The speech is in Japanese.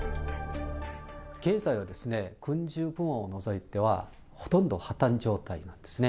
経済は、軍需部門を除いては、ほとんど破綻状態なんですね。